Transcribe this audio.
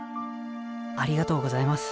ありがとうございます。